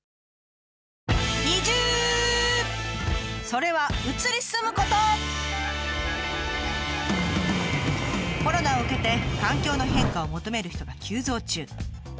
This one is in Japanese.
それはコロナを受けて環境の変化を求める人が急増中。